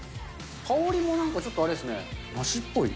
香りもなんかちょっとあれですね、梨っぽい。